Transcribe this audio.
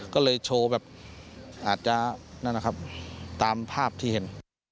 ก็เลยโชว์แบบอาจจะนั่นนะครับตามภาพที่เห็น